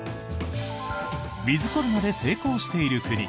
ウィズコロナで成功している国